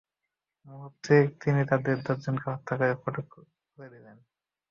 মুহূর্তে তিনি তাদের দশজনকে হত্যা করে ফটক খুলে দিলেন।